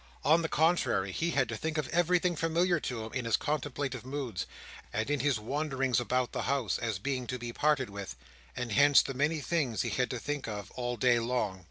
On the contrary, he had to think of everything familiar to him, in his contemplative moods and in his wanderings about the house, as being to be parted with; and hence the many things he had to think of, all day long.